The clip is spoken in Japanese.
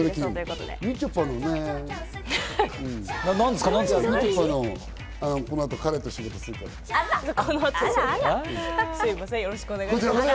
この後、すみません、よろしくお願いします。